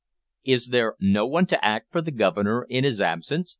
"Is there no one to act for the Governor in his absence?"